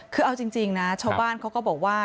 คือเอาจริงนะชาวบ้านเขาก็บอกว่า